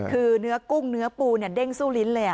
คือเนื้อกุ้งเนื้อปูเด้งสู้ลิ้นเลย